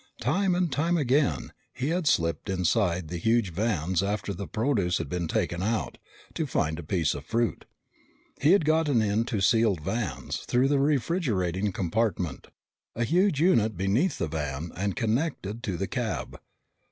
Time and time again, he had slipped inside the huge vans after the produce had been taken out, to find a piece of fruit. He had gotten into the sealed vans, through the refrigerating compartment, a huge unit beneath the van and connected to the cab.